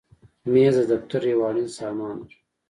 مېز د دفتر یو اړین سامان دی.